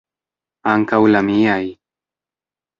Ankaŭ la miaj!